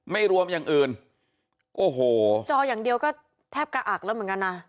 ไม่รวมอย่างอื่นโอ้โหจออย่างเดียวก็แทบกระอักแล้วเหมือนกันนะ